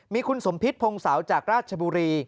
มีคุณสมพิษพงศาจากราชบุรี